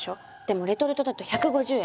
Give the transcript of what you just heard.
でもレトルトだと１５０円。